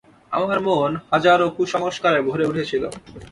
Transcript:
আমার মন হাজারো কুসংস্কারে ভরে উঠেছিল।